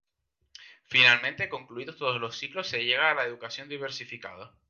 Finalmente, concluidos todos los ciclos se llega a la educación diversificada.